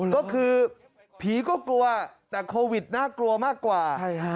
ก็คือผีก็กลัวแต่โควิดน่ากลัวมากกว่า